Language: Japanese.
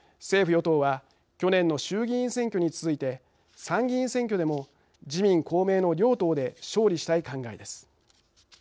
政府・与党は去年の衆議院選挙に続いて参議院選挙でも自民・公明の両党で勝利したい考えです。